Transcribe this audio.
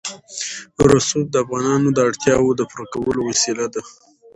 رسوب د افغانانو د اړتیاوو د پوره کولو وسیله ده.